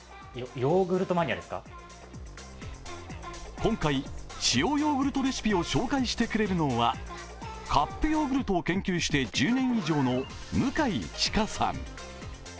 今回、塩ヨーグルトレシピを紹介してくれるのは、カップヨーグルトを研究して１０年以上の向井智香さん。